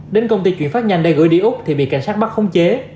đến công ty chuyển phát nhanh để gửi đi úc thì bị cảnh sát bắt khống chế